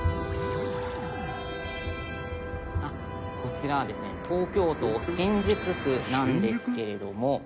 「こちらはですね東京都新宿区なんですけれども」